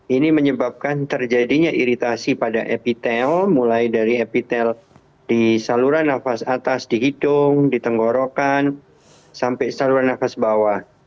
ini menyebabkan terjadinya iritasi pada epitel mulai dari epitel di saluran nafas atas di hidung di tenggorokan sampai saluran nafas bawah